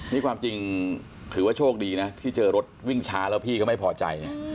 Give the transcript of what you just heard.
นี่ความจริงถือว่าโชคดีนะที่เจอรถวิ่งช้าแล้วพี่ก็ไม่พอใจเนี่ย